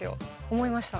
思いました